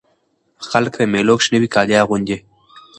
خلک په مېلو کښي نوي کالي اغوندي.